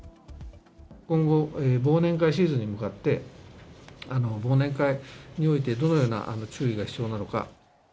今後、忘年会シーズンに向かって、忘年会においてどのような注意が必要なのか。